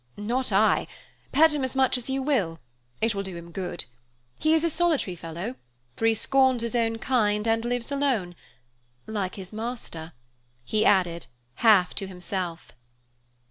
"Not I. Pet him as much as you will; it will do him good. He is a solitary fellow, for he scorns his own kind and lives alone, like his master," he added, half to himself.